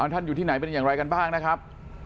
ท่านอยู่ที่ไหนเป็นอย่างไรกันบ้างนะครับ